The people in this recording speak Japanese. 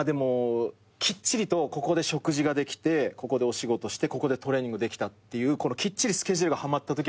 きっちりとここで食事ができてここでお仕事してここでトレーニングできたっていうきっちりスケジュールがはまったときはめちゃくちゃ楽しい。